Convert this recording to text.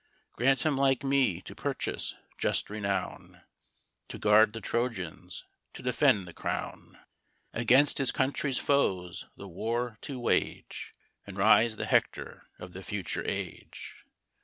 Grant him like me to purchase just renown, To guard the Trojans, to defend the crown; Against his country's foes the war to wage, And rise the Hector of the future age!